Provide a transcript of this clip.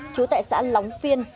chú tại xã lóng phiên